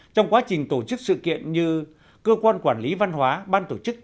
trong quá trình tổ chức sự kiện như cơ quan quản lý văn hóa ban tổ chức